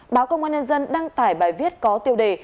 báo công an nhân dân đăng tải bài viết có tiêu đề